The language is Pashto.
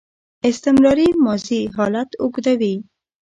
استمراري ماضي حالت اوږدوي.